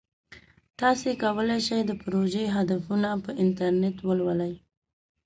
تاسو کولی شئ د پروژې هدفونه په انټرنیټ ولولئ.